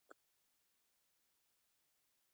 په افغانستان کې د چرګان تاریخ اوږد دی.